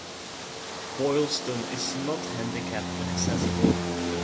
Boylston is not handicapped accessible.